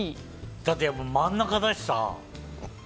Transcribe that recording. だって真ん中だしさ。